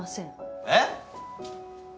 えっ！？